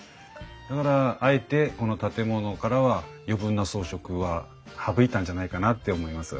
だからあえてこの建物からは余分な装飾は省いたんじゃないかなって思います。